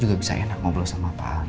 juga bisa enak ngobrol sama pak amin